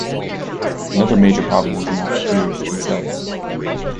Another major problem was in the computers themselves.